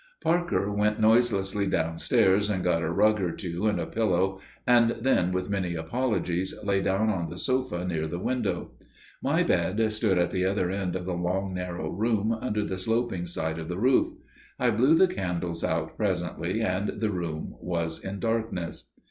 Parker went noiselessly downstairs and got a rug or two and a pillow, and then, with many apologies, lay down on the sofa near the window. My bed stood at the other end of the long narrow room under the sloping side of the roof. I blew the candles out presently, and the room was in darkness.